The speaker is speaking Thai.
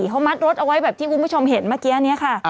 เขามัดรถเอาไว้แบบที่คุณผู้ชมเห็นเมื่อกี้นี้ค่ะ